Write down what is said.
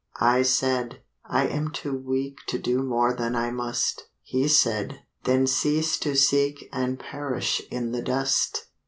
I said, 'I am too weak To do more than I must.' He said, 'Then cease to seek And perish in the dust.